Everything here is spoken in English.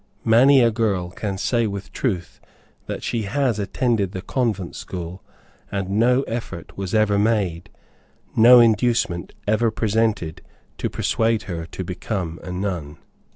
Many a girl can say with truth that she has attended the convent school, and no effort was ever made no inducement ever presented to persuade her to become a nun.